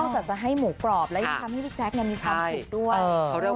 จากจะให้หมูกรอบแล้วยังทำให้พี่แจ๊คมีความสุขด้วย